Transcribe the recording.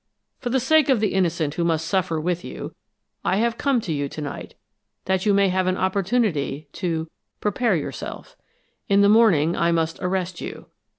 For the sake of the innocent who must suffer with you, I have come to you to night, that you may have an opportunity to prepare yourself. In the morning I must arrest you.